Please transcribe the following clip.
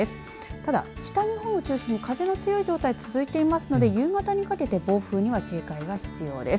ただ、北日本を中心に風の強い状態、続いていますので夕方にかけて暴風には警戒が必要です。